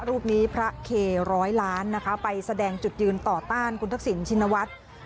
รูปนี้พระเคร้อยล้านนะคะไปแสดงจุดยืนต่อต้านคุณทักษิณชินวัฒน์